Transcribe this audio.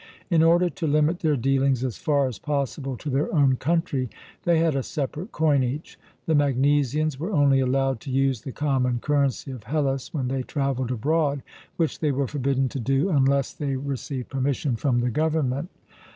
In order to limit their dealings as far as possible to their own country, they had a separate coinage; the Magnesians were only allowed to use the common currency of Hellas when they travelled abroad, which they were forbidden to do unless they received permission from the government.